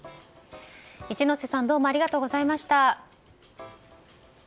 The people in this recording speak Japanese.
一之瀬さんどうもありがとうございました。